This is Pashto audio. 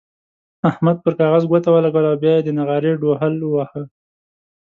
احمد پر کاغذ ګوته ولګوله او بيا يې د نغارې ډوهل وواهه.